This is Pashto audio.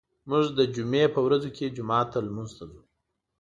موږ د جمعې په ورځو کې جومات ته لمونځ ته ځو.